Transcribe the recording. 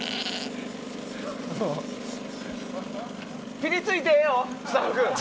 ぴりついてええよ、スタッフ。